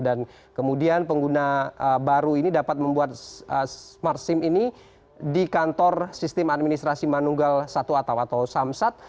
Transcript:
dan kemudian pengguna baru ini dapat membuat smart sim ini di kantor sistem administrasi manunggal satu atau samsat